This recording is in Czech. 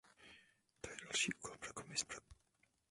To je další úkol pro Komisi.